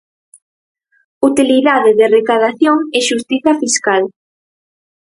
Utilidade de recadación e xustiza fiscal.